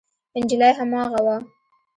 نجلۍ هماغه وه.